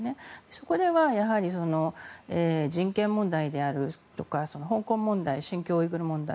そこでは人権問題であるとか香港問題、新疆ウイグル問題